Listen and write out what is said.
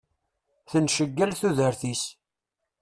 Tenceggal tudert-is.